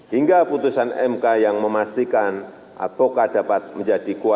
hingga putusan mk yang memastikan advokat dapat menjadi kewajiban